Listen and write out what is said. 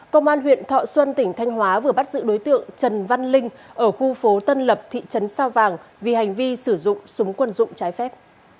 công an huyện thọ xuân tỉnh thanh hóa vừa bắt giữ đối tượng trần văn linh ở khu phố tân lập thị trấn sao vàng vì hành vi sử dụng súng quân dụng trái phép